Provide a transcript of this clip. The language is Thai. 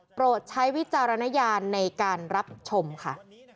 โปรดใช้วิจารณญาณในการรับชมค่ะ